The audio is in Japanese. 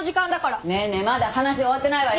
ネネまだ話終わってないわよ。